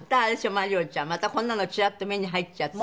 万梨音ちゃんまたこんなのチラッと目に入っちゃって。